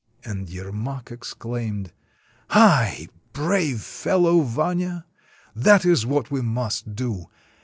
And Yermak exclaimed :— "Ai! brave fellow, Vanya! That is what we must do!